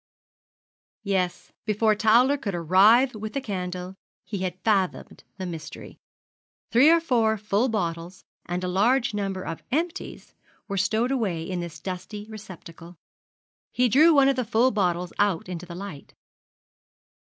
Yes, before Towler could arrive with the candle, he had fathomed the mystery. Three or four full bottles, and a large number of empties, were stowed away in this dusty receptacle. He drew one of the full bottles out into the light.